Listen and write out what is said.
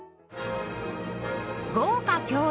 豪華共演！